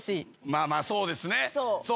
まあまあそうですね。